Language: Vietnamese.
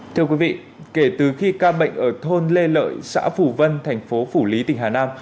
thưa quý vị kể từ khi ca bệnh ở thôn lê lợi xã phủ vân thành phố phủ lý tỉnh hà nam